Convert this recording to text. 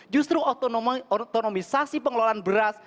justru otonomisasi pengelolaan beras